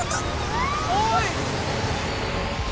おい。